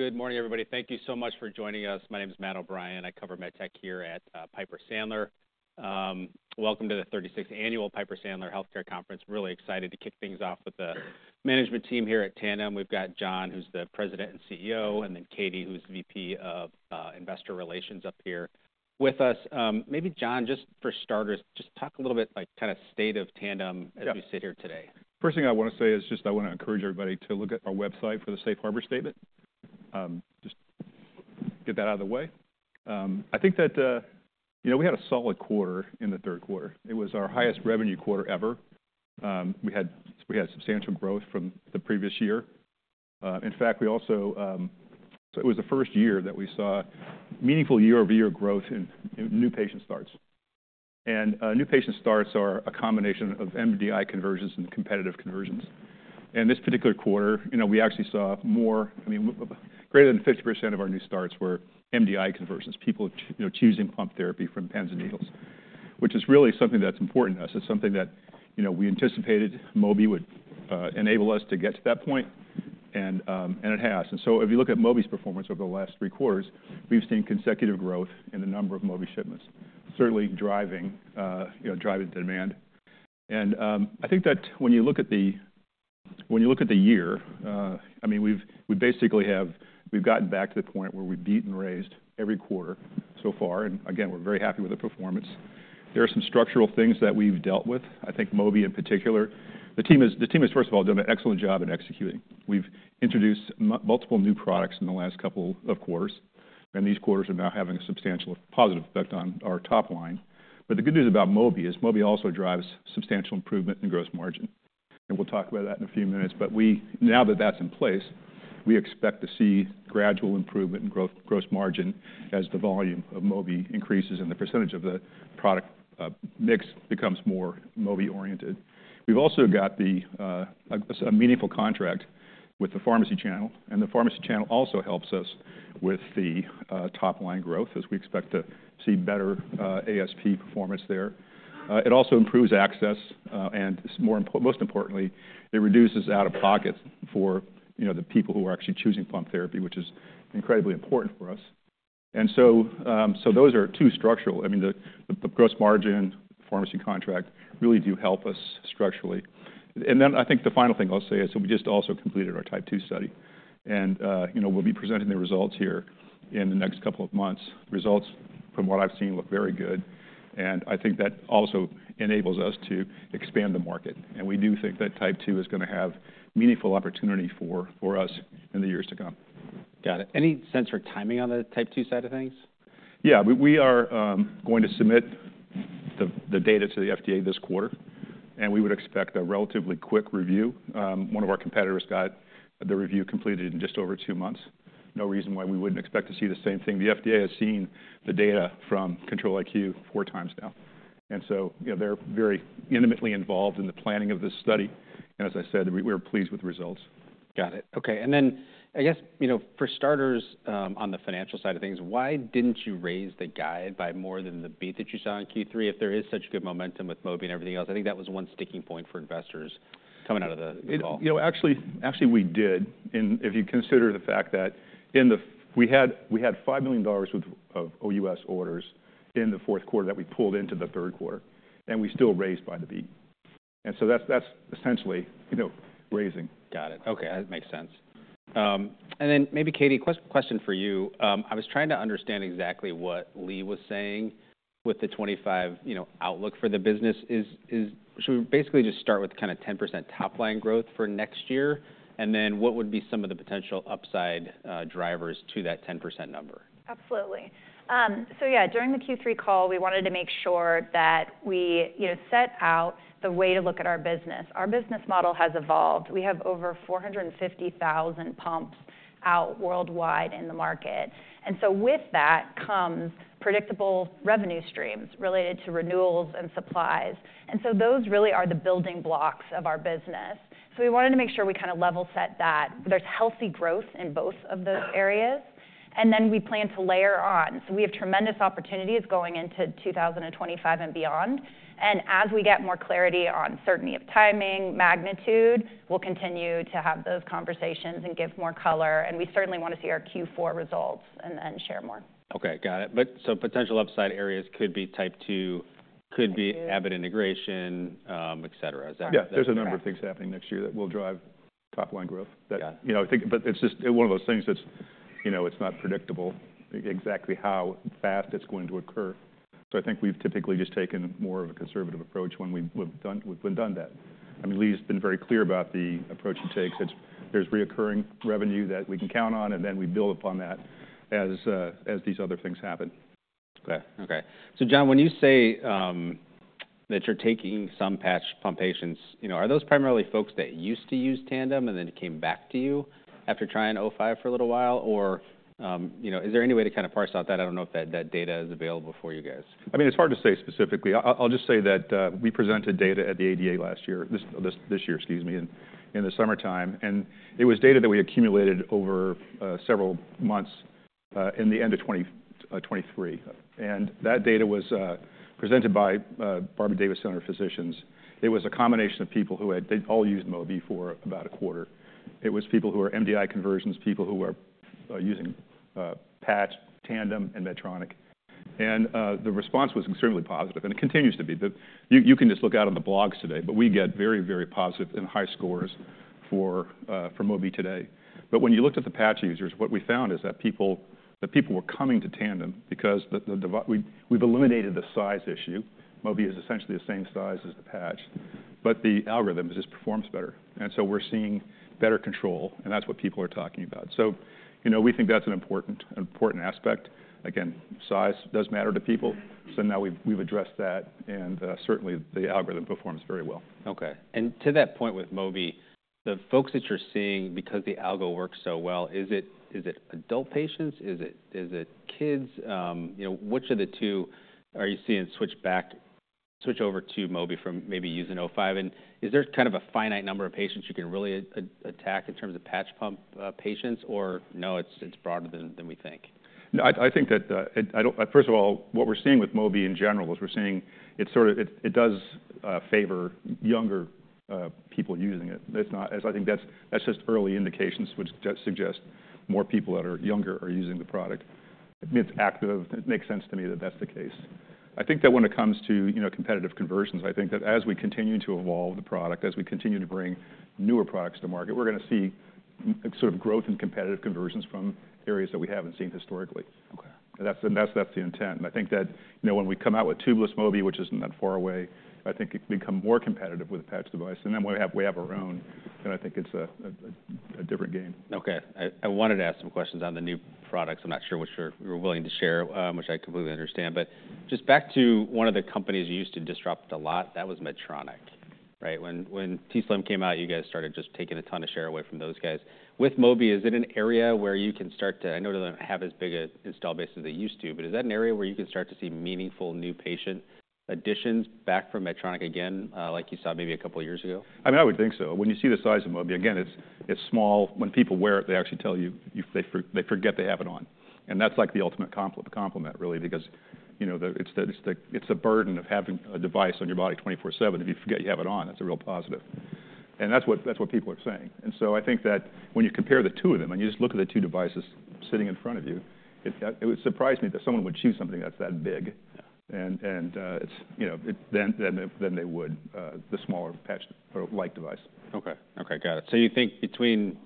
Good morning, everybody. Thank you so much for joining us. My name is Matt O'Brien. I cover med tech here at Piper Sandler. Welcome to the 36th Annual Piper Sandler Healthcare Conference. Really excited to kick things off with the management team here at Tandem. We've got John, who's the President and CEO, and then Katie, who's VP of Investor Relations up here with us. Maybe, John, just for starters, just talk a little bit about the kind of state of Tandem as we sit here today. First thing I want to say is just I want to encourage everybody to look at our website for the Safe Harbor Statement. Just get that out of the way. I think that, you know, we had a solid quarter in the Q3. It was our highest revenue quarter ever. We had substantial growth from the previous year. In fact, we also, so it was the first year that we saw meaningful year-over-year growth in new patient starts. And new patient starts are a combination of MDI conversions and competitive conversions. And this particular quarter, you know, we actually saw more, I mean, greater than 50% of our new starts were MDI conversions, people choosing pump therapy from pens and needles, which is really something that's important to us. It's something that, you know, we anticipated Mobi would enable us to get to that point, and it has. If you look at Mobi's performance over the last three quarters, we've seen consecutive growth in the number of Mobi shipments, certainly driving the demand. I think that when you look at the year, I mean, we've gotten back to the point where we've beaten and raised every quarter so far. Again, we're very happy with the performance. There are some structural things that we've dealt with. I think Mobi, in particular, the team has, first of all, done an excellent job in executing. We've introduced multiple new products in the last couple of quarters, and these quarters are now having a substantial positive effect on our top line. The good news about Mobi is Mobi also drives substantial improvement in gross margin. We'll talk about that in a few minutes. But now that that's in place, we expect to see gradual improvement in gross margin as the volume of Mobi increases and the percentage of the product mix becomes more Mobi-oriented. We've also got a meaningful contract with the pharmacy channel, and the pharmacy channel also helps us with the top line growth, as we expect to see better ASP performance there. It also improves access, and most importantly, it reduces out-of-pocket for the people who are actually choosing pump therapy, which is incredibly important for us. And so those are two structural, I mean, the gross margin, pharmacy contract really do help us structurally. And then I think the final thing I'll say is that we just also completed our Type 2 study, and we'll be presenting the results here in the next couple of months. Results, from what I've seen, look very good, and I think that also enables us to expand the market. We do think that Type 2 is going to have meaningful opportunity for us in the years to come. Got it. Any sense for timing on the Type 2 side of things? Yeah, we are going to submit the data to the FDA this quarter, and we would expect a relatively quick review. One of our competitors got the review completed in just over two months. No reason why we wouldn't expect to see the same thing. The FDA has seen the data from Control-IQ four times now. And so they're very intimately involved in the planning of this study. And as I said, we're pleased with the results. Got it. Okay. And then I guess, for starters, on the financial side of things, why didn't you raise the guide by more than the beat that you saw in Q3 if there is such good momentum with Mobi and everything else? I think that was one sticking point for investors coming out of the call. You know, actually, we did. And if you consider the fact that we had $5 million of OUS orders in the Q4 that we pulled into the Q3, and we still raised by the beat. And so that's essentially raising. Got it. Okay. That makes sense. And then maybe, Katie, question for you. I was trying to understand exactly what Leigh was saying with the 25 outlook for the business. Should we basically just start with kind of 10% top line growth for next year, and then what would be some of the potential upside drivers to that 10% number? Absolutely. So yeah, during the Q3 call, we wanted to make sure that we set out the way to look at our business. Our business model has evolved. We have over 450,000 pumps out worldwide in the market. And so with that comes predictable revenue streams related to renewals and supplies. And so those really are the building blocks of our business. So we wanted to make sure we kind of level set that there's healthy growth in both of those areas. And then we plan to layer on. So we have tremendous opportunities going into 2025 and beyond. And as we get more clarity on certainty of timing, magnitude, we'll continue to have those conversations and give more color. And we certainly want to see our Q4 results and then share more. Okay. Got it. So potential upside areas could be Type II, could be Abbott integration, et cetera. Is that? Yeah. There's a number of things happening next year that will drive top line growth. But it's just one of those things that's not predictable exactly how fast it's going to occur. So I think we've typically just taken more of a conservative approach when we've done that. I mean, Lee's been very clear about the approach he takes. There's recurring revenue that we can count on, and then we build upon that as these other things happen. Okay. Okay. So John, when you say that you're taking some patch pump patients, are those primarily folks that used to use Tandem and then came back to you after trying O5 for a little while? Or is there any way to kind of parse out that? I don't know if that data is available for you guys. I mean, it's hard to say specifically. I'll just say that we presented data at the ADA last year, this year, excuse me, in the summertime. And it was data that we accumulated over several months in the end of 2023. And that data was presented by Barbara Davis, one of our physicians. It was a combination of people who had—they'd all used Mobi for about a quarter. It was people who are MDI conversions, people who are using patch, Tandem, and Medtronic. And the response was extremely positive, and it continues to be. You can just look out on the blogs today, but we get very, very positive and high scores for Mobi today. But when you looked at the patch users, what we found is that people were coming to Tandem because we've eliminated the size issue. Mobi is essentially the same size as the patch, but the algorithm just performs better. And so we're seeing better control, and that's what people are talking about. So we think that's an important aspect. Again, size does matter to people. So now we've addressed that, and certainly the algorithm performs very well. Okay. And to that point with Mobi, the folks that you're seeing, because the algo works so well, is it adult patients? Is it kids? Which of the two are you seeing switch back, switch over to Mobi from maybe using O5? And is there kind of a finite number of patients you can really attack in terms of patch pump patients, or no, it's broader than we think? I think that, first of all, what we're seeing with Mobi in general is we're seeing it does favor younger people using it. I think that's just early indications, which suggests more people that are younger are using the product. It's active. It makes sense to me that that's the case. I think that when it comes to competitive conversions, I think that as we continue to evolve the product, as we continue to bring newer products to market, we're going to see sort of growth in competitive conversions from areas that we haven't seen historically. And that's the intent. And I think that when we come out with tubeless Mobi, which isn't that far away, I think we become more competitive with a patch device. And then when we have our own, then I think it's a different game. Okay. I wanted to ask some questions on the new products. I'm not sure which you're willing to share, which I completely understand. But just back to one of the companies you used to disrupt a lot, that was Medtronic, right? When tslim came out, you guys started just taking a ton of share away from those guys. With Mobi, is it an area where you can start to, I know they don't have as big an installed base as they used to, but is that an area where you can start to see meaningful new patient additions back from Medtronic again, like you saw maybe a couple of years ago? I mean, I would think so. When you see the size of Mobi, again, it's small. When people wear it, they actually tell you they forget they have it on. And that's like the ultimate compliment, really, because it's the burden of having a device on your body 24/7. If you forget you have it on, that's a real positive. And that's what people are saying. And so I think that when you compare the two of them and you just look at the two devices sitting in front of you, it would surprise me that someone would choose something that's that big. And then they would, the smaller patch-like device. Okay. Okay. Got it. So you think between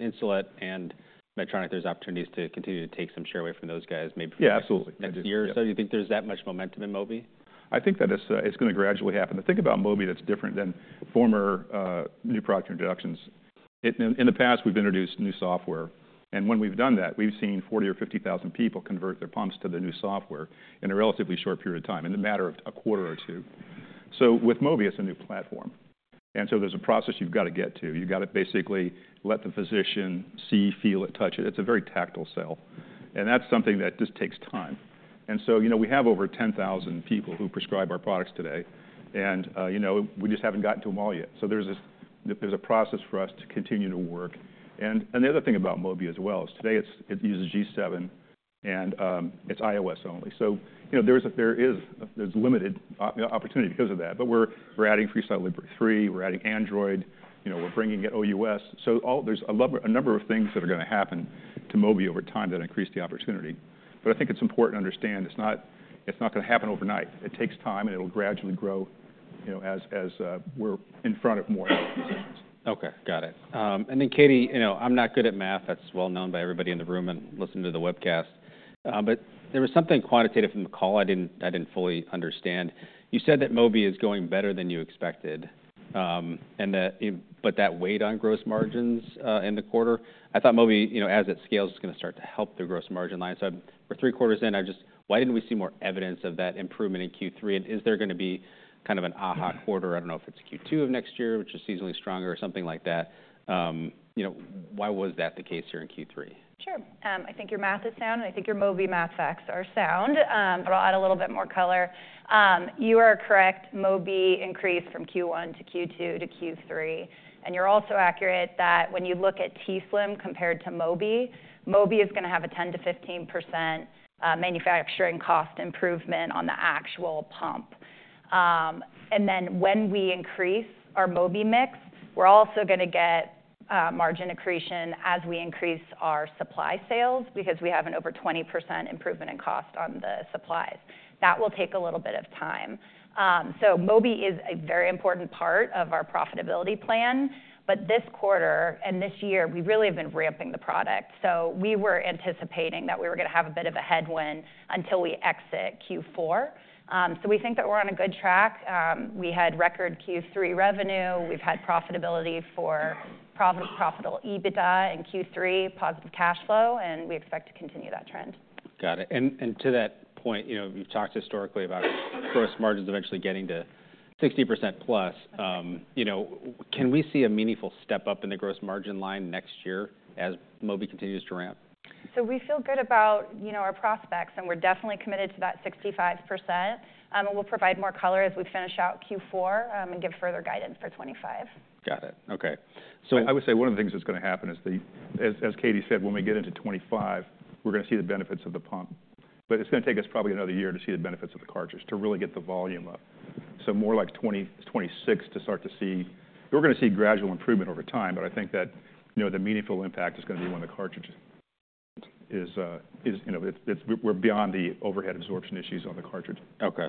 Insulet and Medtronic, there's opportunities to continue to take some share away from those guys maybe for the next year or so? Do you think there's that much momentum in Mobi? I think that it's going to gradually happen. The thing about Mobi that's different than former new product introductions, in the past, we've introduced new software, and when we've done that, we've seen 40 or 50,000 people convert their pumps to the new software in a relatively short period of time, in a matter of a quarter or two. With Mobi, it's a new platform, and so there's a process you've got to get to. You've got to basically let the physician see, feel it, touch it. It's a very tactile sell. That's something that just takes time, and so we have over 10,000 people who prescribe our products today, and we just haven't gotten to them all yet. There's a process for us to continue to work. The other thing about Mobi as well is today it uses G7, and it's iOS only. So there's limited opportunity because of that. But we're adding FreeStyle Libre 3. We're adding Android. We're bringing in OUS. So there's a number of things that are going to happen to Mobi over time that increase the opportunity. But I think it's important to understand it's not going to happen overnight. It takes time, and it'll gradually grow as we're in front of more physicians. Okay. Got it. And then, Katie, I'm not good at math. That's well known by everybody in the room and listening to the webcast. But there was something quantitative in the call I didn't fully understand. You said that Mobi is going better than you expected, but that weighed on gross margins in the quarter. I thought Mobi, as it scales, is going to start to help the gross margin line. So we're three quarters in. Why didn't we see more evidence of that improvement in Q3? And is there going to be kind of an aha quarter? I don't know if it's Q2 of next year, which is seasonally stronger or something like that. Why was that the case here in Q3? Sure. I think your math is sound, and I think your Mobi math facts are sound. But I'll add a little bit more color. You are correct. Mobi increased from Q1 to Q2 to Q3. And you're also accurate that when you look at t:slim X2 compared to Mobi, Mobi is going to have a 10%-15% manufacturing cost improvement on the actual pump. And then when we increase our Mobi mix, we're also going to get margin accretion as we increase our supply sales because we have an over 20% improvement in cost on the supplies. That will take a little bit of time. So Mobi is a very important part of our profitability plan. But this quarter and this year, we really have been ramping the product. So we were anticipating that we were going to have a bit of a headwind until we exit Q4. So we think that we're on a good track. We had record Q3 revenue. We've had profitability, profitable EBITDA in Q3, positive cash flow, and we expect to continue that trend. Got it. And to that point, you've talked historically about gross margins eventually getting to 60% plus. Can we see a meaningful step up in the gross margin line next year as Mobi continues to ramp? We feel good about our prospects, and we're definitely committed to that 65%. We'll provide more color as we finish out Q4 and give further guidance for 2025. Got it. Okay. I would say one of the things that's going to happen is, as Katie said, when we get into 2025, we're going to see the benefits of the pump. But it's going to take us probably another year to see the benefits of the cartridges to really get the volume up. So more like 2026 to start to see, we're going to see gradual improvement over time, but I think that the meaningful impact is going to be when the cartridges, we're beyond the overhead absorption issues on the cartridge. Okay.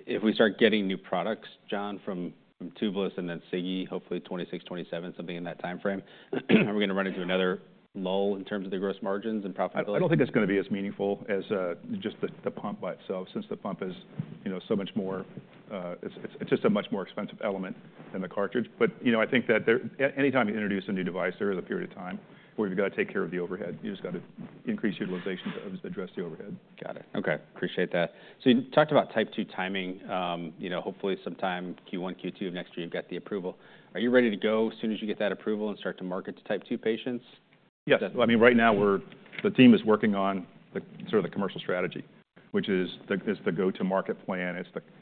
If we start getting new products, John, from tubeless and then Sigi, hopefully 2026, 2027, something in that timeframe, are we going to run into another lull in terms of the gross margins and profitability? I don't think it's going to be as meaningful as just the pump by itself since the pump is so much more, it's just a much more expensive element than the cartridge. But I think that anytime you introduce a new device, there is a period of time where you've got to take care of the overhead. You just got to increase utilization to address the overhead. Got it. Okay. Appreciate that. So you talked about Type II timing. Hopefully sometime Q1, Q2 of next year, you've got the approval. Are you ready to go as soon as you get that approval and start to market to Type II patients? Yes. I mean, right now, the team is working on sort of the commercial strategy, which is the go-to-market plan.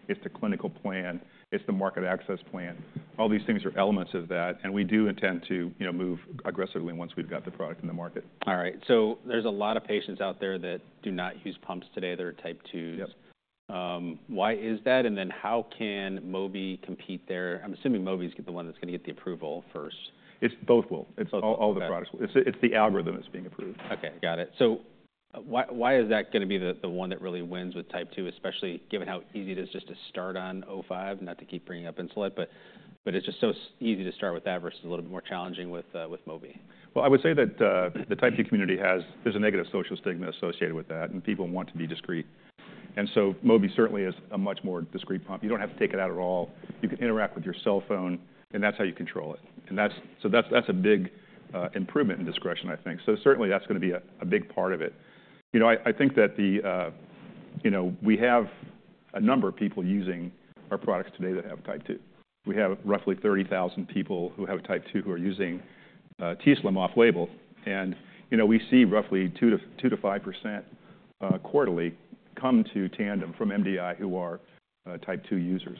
It's the clinical plan. It's the market access plan. All these things are elements of that. And we do intend to move aggressively once we've got the product in the market. All right. So there's a lot of patients out there that do not use pumps today that are Type II. Why is that? And then how can Mobi compete there? I'm assuming Mobi's the one that's going to get the approval first. It's both will. All the products will. It's the algorithm that's being approved. Okay. Got it. So why is that going to be the one that really wins with Type II, especially given how easy it is just to start on O5, not to keep bringing up Insulet? But it's just so easy to start with that versus a little bit more challenging with Mobi. I would say that the Type II community has. There's a negative social stigma associated with that, and people want to be discreet. And so Mobi certainly is a much more discreet pump. You don't have to take it out at all. You can interact with your cell phone, and that's how you control it. And so that's a big improvement in discretion, I think. So certainly that's going to be a big part of it. I think that we have a number of people using our products today that have Type II. We have roughly 30,000 people who have Type II who are using TSLIM off-label. And we see roughly 2%-5% quarterly come to Tandem from MDI who are Type II users.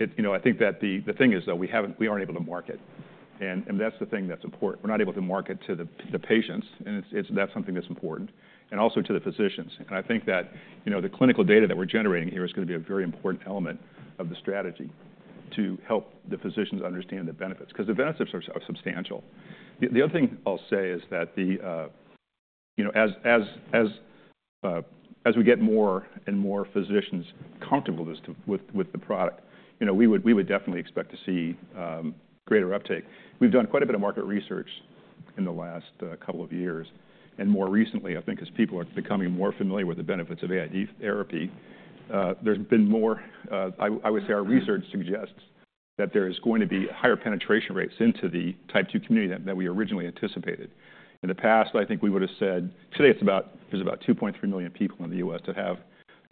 I think that the thing is that we aren't able to market. And that's the thing that's important. We're not able to market to the patients, and that's something that's important, and also to the physicians. And I think that the clinical data that we're generating here is going to be a very important element of the strategy to help the physicians understand the benefits because the benefits are substantial. The other thing I'll say is that as we get more and more physicians comfortable with the product, we would definitely expect to see greater uptake. We've done quite a bit of market research in the last couple of years. And more recently, I think as people are becoming more familiar with the benefits of AID therapy, there's been more, I would say our research suggests that there is going to be higher penetration rates into the Type II community than we originally anticipated. In the past, I think we would have said today there's about 2.3 million people in the US that have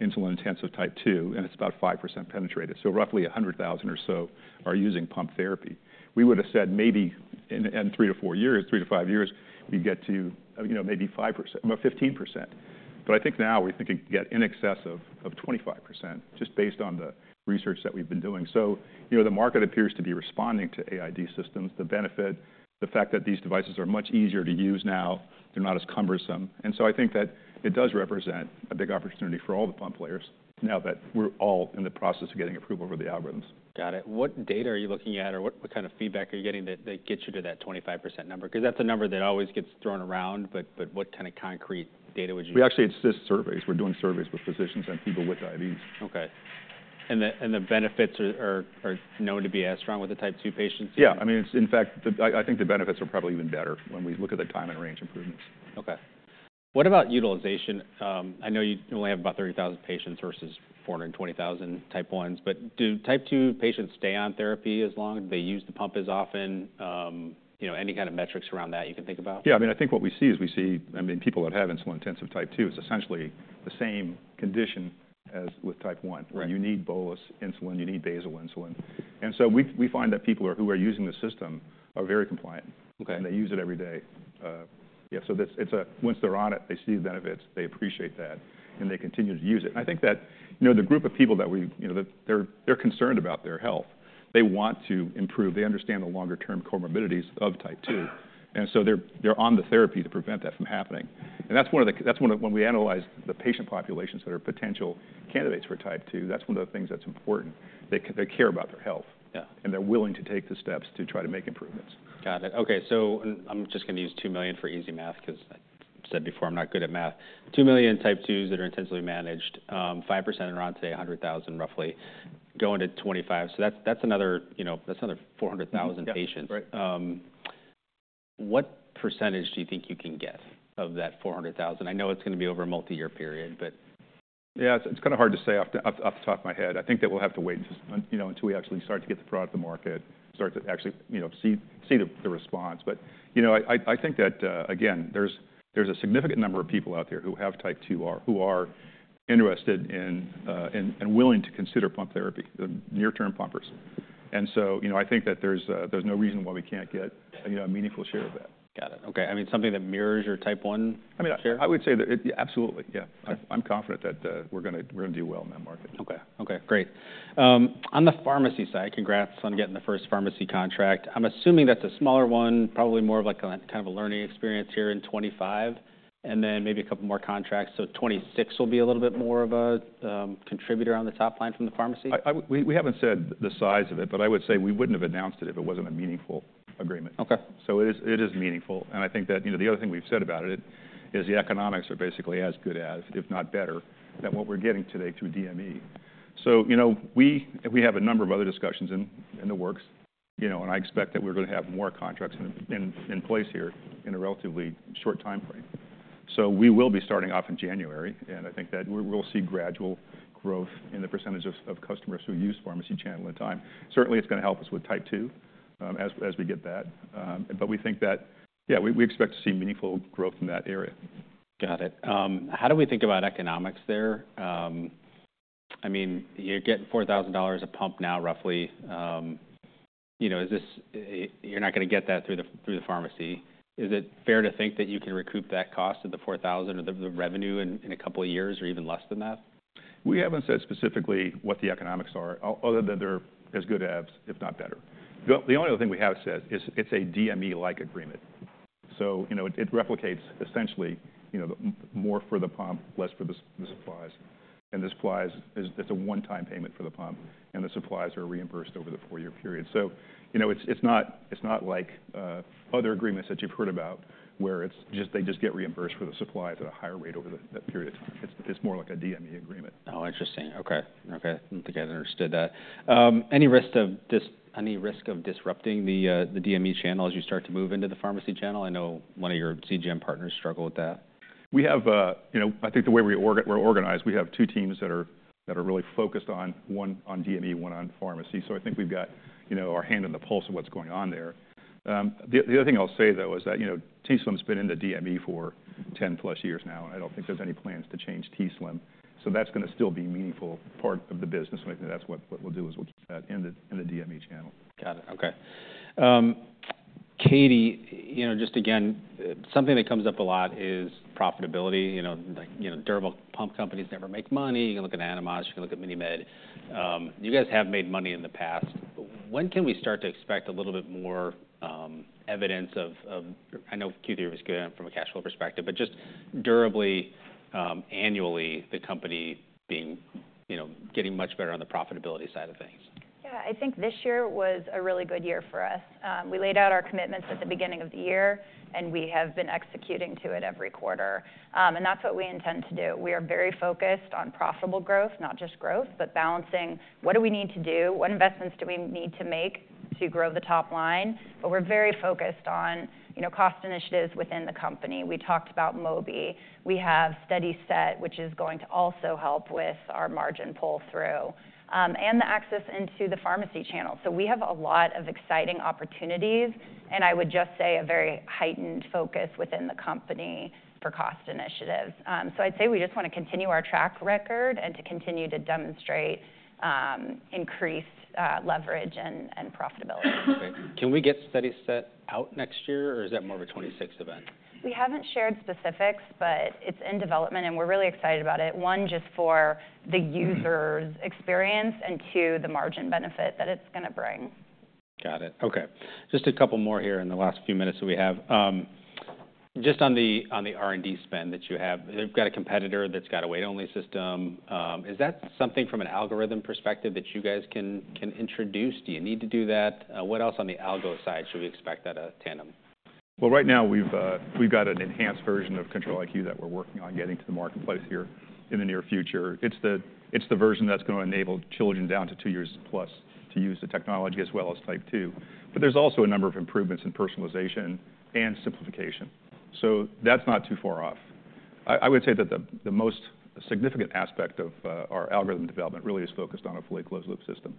insulin-intensive Type II, and it's about 5% penetrated. So roughly 100,000 or so are using pump therapy. We would have said maybe in three to five years, we'd get to maybe 15%. But I think now we think it could get in excess of 25% just based on the research that we've been doing. So the market appears to be responding to AID systems, the benefit, the fact that these devices are much easier to use now. They're not as cumbersome. And so I think that it does represent a big opportunity for all the pump players now that we're all in the process of getting approval for the algorithms. Got it. What data are you looking at, or what kind of feedback are you getting that gets you to that 25% number? Because that's a number that always gets thrown around, but what kind of concrete data would you— Actually, it's just surveys. We're doing surveys with physicians and people with diabetes. Okay. And the benefits are known to be as strong with the Type II patients? Yeah. I mean, in fact, I think the benefits are probably even better when we look at the time in range improvements. Okay. What about utilization? I know you only have about 30,000 patients versus 420,000 Type 1, but do Type II patients stay on therapy as long? Do they use the pump as often? Any kind of metrics around that you can think about? Yeah. I mean, I think what we see is we see people that have insulin-intensive Type II. It's essentially the same condition as with Type I. You need bolus insulin. You need basal insulin. And so we find that people who are using the system are very compliant, and they use it every day. Yeah. So once they're on it, they see the benefits. They appreciate that, and they continue to use it. I think that the group of people that we - they're concerned about their health. They want to improve. They understand the longer-term comorbidities of Type II. And so they're on the therapy to prevent that from happening. And that's one of the - when we analyze the patient populations that are potential candidates for Type 2, that's one of the things that's important. They care about their health, and they're willing to take the steps to try to make improvements. Got it. Okay. So I'm just going to use 2 million for easy math because I said before I'm not good at math. 2 million Type 2s that are intensively managed, 5% are on today, 100,000 roughly going to 25%. So that's another 400,000 patients. What percentage do you think you can get of that 400,000? I know it's going to be over a multi-year period, but. Yeah. It's kind of hard to say off the top of my head. I think that we'll have to wait until we actually start to get the product to market, start to actually see the response. But I think that, again, there's a significant number of people out there who have Type 2 who are interested in and willing to consider pump therapy, the near-term pumpers. And so I think that there's no reason why we can't get a meaningful share of that. Got it. Okay. I mean, something that mirrors your Type 1 share? I mean, I would say that absolutely. Yeah. I'm confident that we're going to do well in that market. Okay. Okay. Great. On the pharmacy side, congrats on getting the first pharmacy contract. I'm assuming that's a smaller one, probably more of a kind of a learning experience here in 2025, and then maybe a couple more contracts. So 2026 will be a little bit more of a contributor on the top line from the pharmacy? We haven't said the size of it, but I would say we wouldn't have announced it if it wasn't a meaningful agreement. So it is meaningful. And I think that the other thing we've said about it is the economics are basically as good as, if not better, than what we're getting today through DME. So we have a number of other discussions in the works, and I expect that we're going to have more contracts in place here in a relatively short time frame. So we will be starting off in January, and I think that we'll see gradual growth in the percentage of customers who use pharmacy channel in time. Certainly, it's going to help us with Type II as we get that. But we think that, yeah, we expect to see meaningful growth in that area. Got it. How do we think about economics there? I mean, you're getting $4,000 a pump now roughly. You're not going to get that through the pharmacy. Is it fair to think that you can recoup that cost of the $4,000 or the revenue in a couple of years or even less than that? We haven't said specifically what the economics are other than they're as good as, if not better. The only other thing we have said is it's a DME-like agreement, so it replicates essentially more for the pump, less for the supplies, and the supplies. It's a one-time payment for the pump, and the supplies are reimbursed over the four-year period, so it's not like other agreements that you've heard about where they just get reimbursed for the supplies at a higher rate over that period of time. It's more like a DME agreement. Oh, interesting. Okay. Okay. I think I understood that. Any risk of disrupting the DME channel as you start to move into the pharmacy channel? I know one of your CGM partners struggled with that. We have, I think, the way we're organized, we have two teams that are really focused on – one on DME, one on pharmacy. So I think we've got our finger on the pulse of what's going on there. The other thing I'll say, though, is that t:slim X2's been in the DME for 10-plus years now, and I don't think there's any plans to change t:slim X2. So that's going to still be a meaningful part of the business, and I think that's what we'll do is we'll keep that in the DME channel. Got it. Okay. Katie, just again, something that comes up a lot is profitability. Durable pump companies never make money. You can look at Animas. You can look at MiniMed. You guys have made money in the past. When can we start to expect a little bit more evidence of, I know Q3 was good from a cash flow perspective, but just durably, annually, the company getting much better on the profitability side of things? Yeah. I think this year was a really good year for us. We laid out our commitments at the beginning of the year, and we have been executing to it every quarter, and that's what we intend to do. We are very focused on profitable growth, not just growth, but balancing what do we need to do, what investments do we need to make to grow the top line, but we're very focused on cost initiatives within the company. We talked about Mobi. We have SteadySet, which is going to also help with our margin pull-through, and the access into the pharmacy channel, so we have a lot of exciting opportunities, and I would just say a very heightened focus within the company for cost initiatives, so I'd say we just want to continue our track record and to continue to demonstrate increased leverage and profitability. Okay. Can we get SteadySet out next year, or is that more of a 2026 event? We haven't shared specifics, but it's in development, and we're really excited about it. One, just for the user's experience, and two, the margin benefit that it's going to bring. Got it. Okay. Just a couple more here in the last few minutes that we have. Just on the R&D spend that you have, they've got a competitor that's got a weight-only system. Is that something from an algorithm perspective that you guys can introduce? Do you need to do that? What else on the algo side should we expect out of Tandem? Right now, we've got an enhanced version of Control-IQ that we're working on getting to the marketplace here in the near future. It's the version that's going to enable children down to two years plus to use the technology as well as Type II. There's also a number of improvements in personalization and simplification. That's not too far off. I would say that the most significant aspect of our algorithm development really is focused on a fully closed-loop system.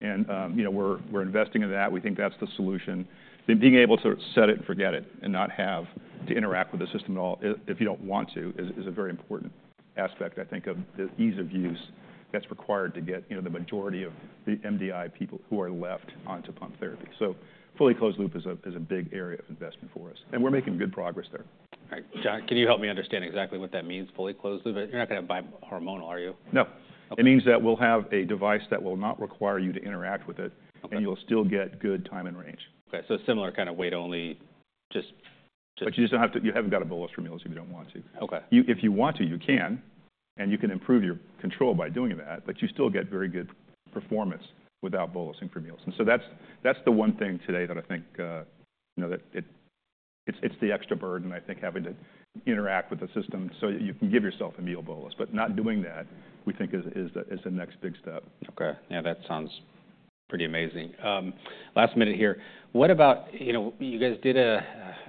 We're investing in that. We think that's the solution. Being able to set it and forget it and not have to interact with the system at all if you don't want to is a very important aspect, I think, of the ease of use that's required to get the majority of the MDI people who are left onto pump therapy. Fully closed-loop is a big area of investment for us. We're making good progress there. All right. John, can you help me understand exactly what that means, fully closed-loop? You're not going to buy hormonal, are you? No. It means that we'll have a device that will not require you to interact with it, and you'll still get good time and range. Okay, so a similar kind of weight-only, just. But you just don't have to. You haven't got to bolus for meals if you don't want to. If you want to, you can, and you can improve your control by doing that, but you still get very good performance without bolusing for meals. And so that's the one thing today that I think it's the extra burden, I think, having to interact with the system so you can give yourself a meal bolus. But not doing that, we think, is the next big step. Okay. Yeah. That sounds pretty amazing. Last minute here. You guys did an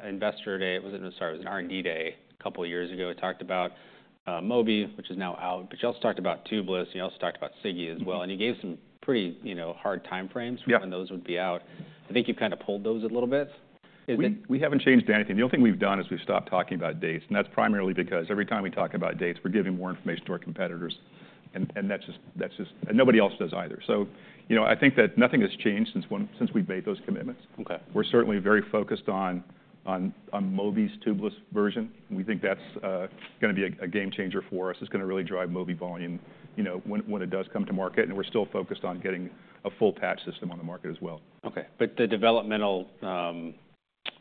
investor day, sorry, it was an R&D day a couple of years ago. We talked about Mobi, which is now out, but you also talked about Tubeless, and you also talked about Sigi as well. And you gave some pretty hard time frames for when those would be out. I think you've kind of pulled those a little bit. Is it? We haven't changed anything. The only thing we've done is we've stopped talking about dates. And that's primarily because every time we talk about dates, we're giving more information to our competitors, and nobody else does either. So I think that nothing has changed since we've made those commitments. We're certainly very focused on Mobi's tubeless version. We think that's going to be a game changer for us. It's going to really drive Mobi volume when it does come to market. And we're still focused on getting a full patch system on the market as well. Okay, but the developmental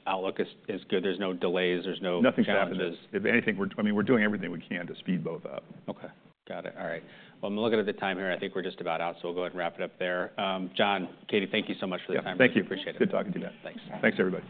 outlook is good. There's no delays. There's no challenges. Nothing's happened. I mean, we're doing everything we can to speed both up. Okay. Got it. All right. Well, I'm looking at the time here. I think we're just about out, so we'll go ahead and wrap it up there. John, Katie, thank you so much for the time. Thank you. Appreciate it. Good talking to you guys. Thanks. Thanks, everybody.